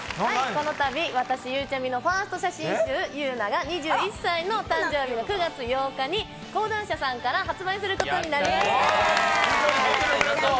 このたび、私ゆうちゃみファースト写真集『ゆうな』が２１歳の誕生日の９月８日に講談社さんから発売することになりました。